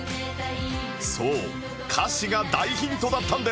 そう歌詞が大ヒントだったんです